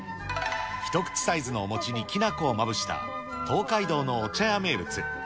一口サイズのお餅にきな粉をまぶした東海道のお茶屋名物。